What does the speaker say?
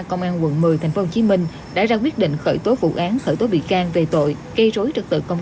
công an quận một mươi tp hcm đã ra quyết định khởi tố vụ án khởi tố bị can về tội gây rối trật tự công